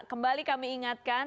kembali kami ingatkan